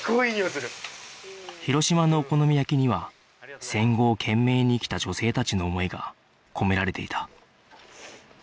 広島のお好み焼きには戦後を懸命に生きた女性たちの思いが込められていた